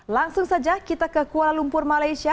langsung saja kita ke kuala lumpur malaysia